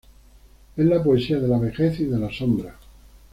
Es la poesía de la vejez y de la sombra.